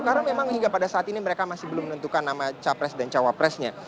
karena memang hingga pada saat ini mereka masih belum menentukan nama capres dan cawapresnya